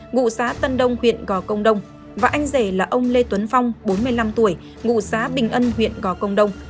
ngụ xã tân đông huyện gò công đông và anh rể là ông lê tuấn phong bốn mươi năm tuổi ngụ xã bình ân huyện gò công đông